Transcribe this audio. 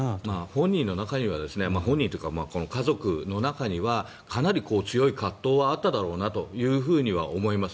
本人の中には本人というかこの家族の中にはかなり強い葛藤はあっただろうなと思います。